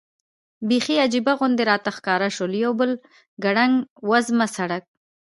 بېخي عجیبه غوندې راته ښکاره شول، یو بل ګړنګ وزمه سړک.